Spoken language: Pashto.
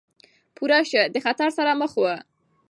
پورشه د خطر سره مخ وه.